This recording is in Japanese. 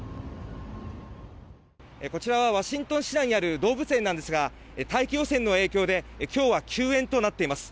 こちらはワシントン市内にある動物園なんですが大気汚染の影響で今日は休園となっています。